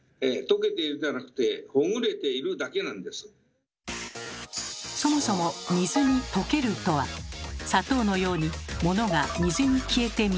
えっそもそも「水に溶ける」とは砂糖のようにものが水に消えて見えなくなること。